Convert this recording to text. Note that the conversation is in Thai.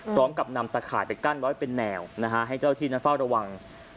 พร้อมกับนำตะข่ายไปกั้นไว้เป็นแนวให้เจ้าที่นั้นเฝ้าระวัง